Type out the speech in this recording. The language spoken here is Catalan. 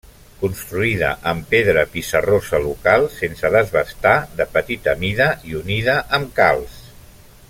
Construïda amb pedra pissarrosa local sense desbastar, de petita mida i unida amb calç.